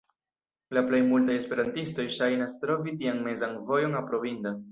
La plej multaj esperantistoj ŝajnas trovi tian mezan vojon aprobinda.